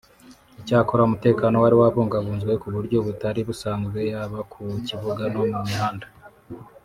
Icyakora umutekano wari wabungabuzwe ku buryo butari busanzwe yaba ku kibuga no mu mihanda